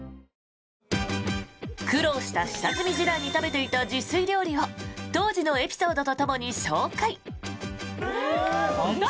苦労した下積み時代に食べていた自炊料理を当時のエピソードとともに紹介。